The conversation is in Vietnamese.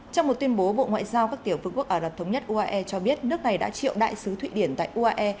trong một tuyên bố bộ ngoại giao các tiểu phương quốc ả rập thống nhất uae cho biết nước này đã triệu đại sứ thụy điển tại uae